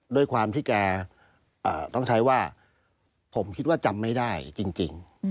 ด้วยความที่แกต้องใช้ว่าผมคิดว่าจำไม่ได้จริง